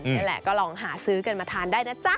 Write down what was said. นั่นแหละก็ลองหาซื้อกันมาทานได้นะจ๊ะ